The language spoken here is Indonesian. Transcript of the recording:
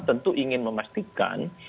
tentu ingin memastikan